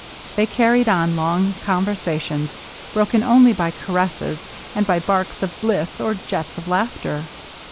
They car ried on long conversations, broken only by caresses, and by barks of bliss or jets of laughter.